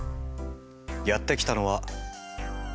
やって来たのは。